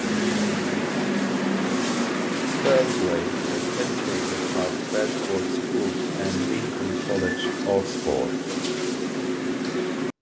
Belgrave was educated at Bedford School and Lincoln College, Oxford.